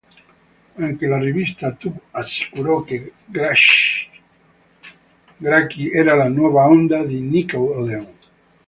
Anche la rivista "Tú" assicurò che "Grachi" era la "nuova onda di Nickelodeon".